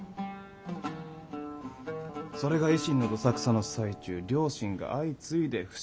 それが維新のどさくさの最中両親が相次いで不審な死を遂げ